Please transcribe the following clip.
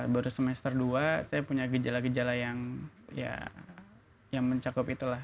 baru semester dua saya punya gejala gejala yang ya mencakup itulah